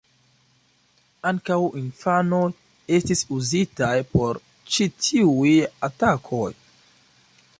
Ankaŭ infanoj estis uzitaj por ĉi tiuj atakoj.